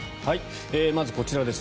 まず、こちらです。